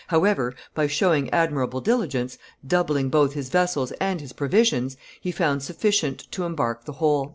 However, by showing admirable diligence, doubling both his vessels and his provisions, he found sufficient to embark the whole."